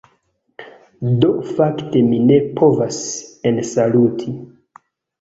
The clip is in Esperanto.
Do fakte mi ne povas ensaluti.